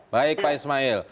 baik pak ismail